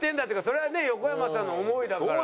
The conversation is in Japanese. それはね横山さんの思いだから。